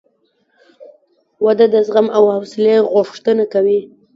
• واده د زغم او حوصلې غوښتنه کوي.